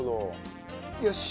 よし！